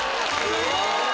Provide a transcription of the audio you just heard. すごい！